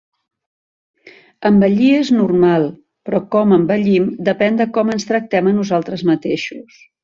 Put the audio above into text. Envellir és normal, però com envellim depèn de com ens tractem a nosaltres mateixos.